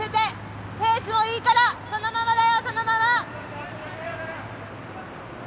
ペースもいいからそのままだよ、そのまま。